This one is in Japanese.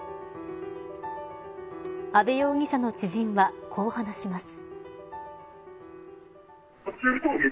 阿部容疑者の知人はこう話します。